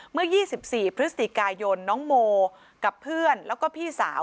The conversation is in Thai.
เมื่อ๒๔พฤศจิกายนน้องโมกับเพื่อนแล้วก็พี่สาว